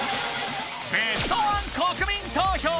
ベストワン国民投票